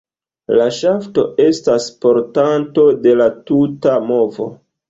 La ŝafto estas portanto de la tuta movo.